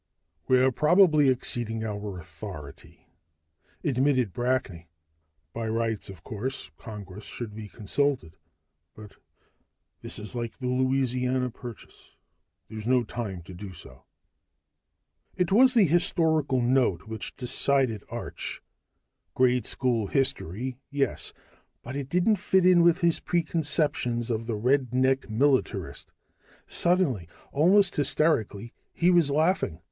"We're probably exceeding our authority," admitted Brackney. "By rights, of course, Congress should be consulted, but this is like the Louisiana Purchase: there's no time to do so." It was the historical note which decided Arch. Grade school history, yes but it didn't fit in with his preconceptions of the red necked militarist. Suddenly, almost hysterically, he was laughing.